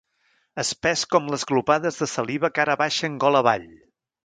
Espès com les glopades de saliva que ara baixen gola avall.